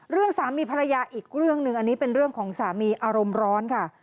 สามีภรรยาอีกเรื่องหนึ่งอันนี้เป็นเรื่องของสามีอารมณ์ร้อนค่ะ